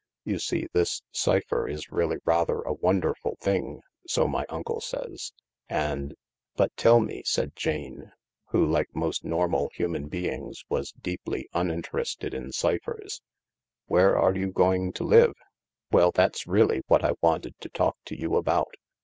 You see, this cypher is really rather a wonderful thing, so my uncle says — and ..."" But tell me," said Jane, who, like most normal human beings, was deeply uninterested in cyphers, " where are you going to live ?"" Well, that's really what I wanted to talk to you about."